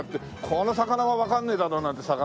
「この魚はわかんねえだろう」なんて魚。